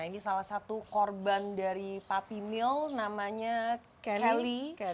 ini salah satu korban dari puppy mill namanya kennelly